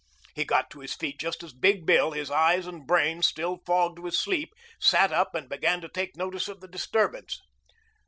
He got to his feet just as Big Bill, his eyes and brain still fogged with sleep, sat up and began to take notice of the disturbance.